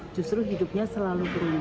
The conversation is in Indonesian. justru hidupnya selalu beruntung